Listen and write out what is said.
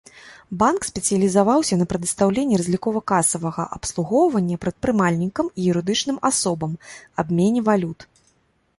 Банк спецыялізаваўся на прадастаўленні разлікова-касавага абслугоўвання прадпрымальнікам і юрыдычным асобам, абмене валют.